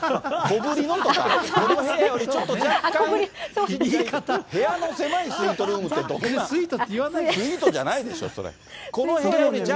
小ぶりのとか、この部屋よりちょっと若干とか、部屋の狭いスイートルームって、スイートじゃないでしょ、それ。